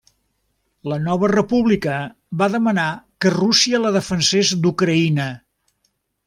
La nova república va demanar que Rússia la defensés d'Ucraïna.